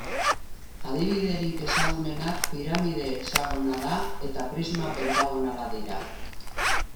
Adibiderik ezagunenak piramide hexagonala eta prisma pentagonala dira.